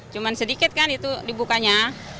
cuma sedikit kan itu dibukanya